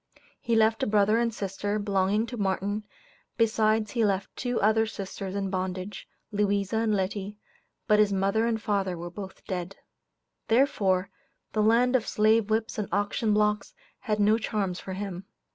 He left a brother and sister, belonging to Martin, besides he left two other sisters in bondage, Louisa and Letty, but his father and mother were both dead. Therefore, the land of slave whips and auction blocks had no charms for him.